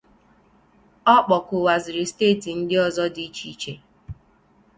Ọ kpọkùkwazịrị steeti ndị ọzọ dị iche iche